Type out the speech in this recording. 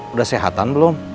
udah sehatan belum